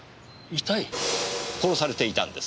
殺されていたんです。